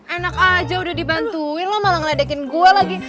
enak aja udah dibantuin lo malah ngeledekin gue lagi